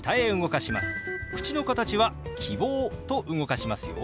口の形は「キボー」と動かしますよ。